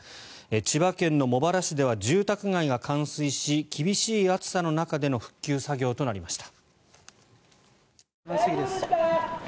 千葉県の茂原市では住宅街が冠水し厳しい暑さの中での復旧作業となりました。